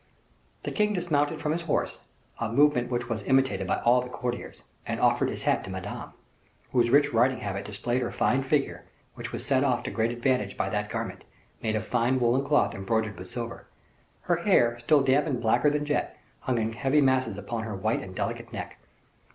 The king dismounted from his horse, a movement which was imitated by all the courtiers, and offered his hat to Madame, whose rich riding habit displayed her fine figure, which was set off to great advantage by that garment, made of fine woolen cloth embroidered with silver. Her hair, still damp and blacker than jet, hung in heavy masses upon her white and delicate neck.